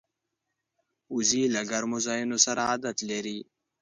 وزې له ګرمو ځایونو سره عادت لري